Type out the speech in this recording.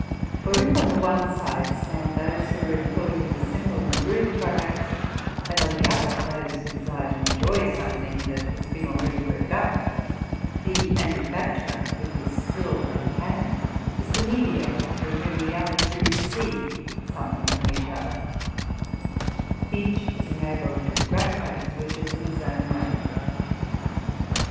For if on the one side stand those who are employed in the simple and rude products, and on the other those who desire to enjoy something that has been already worked up, the manufacturer, with his skill and hand, is the mediator through whom the other two receive something from each other: each is enabled to gratify his wishes in his own way.